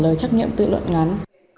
với trách nghiệm tự luận ngắn